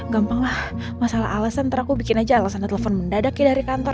gampanglah masalah alesan ntar aku bikin aja alesan telepon mendadak ya dari kantor